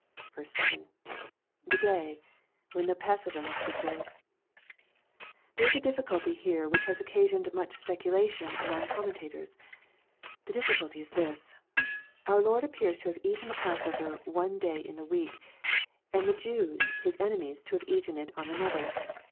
7. — [The day„,when thepassover must he hiUed.] There is a difficulty here which has occasioned much speculation among oonmienta tors. The difficulty is this. Our Lord appears to have eaten the pass over one day in the week, and the Jews his enemies to have eaten it on another.